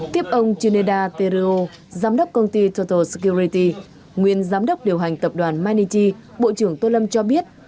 tiếp ông chineda teruo giám đốc công ty total security nguyên giám đốc điều hành tập đoàn manichi bộ trưởng tô lâm cho biết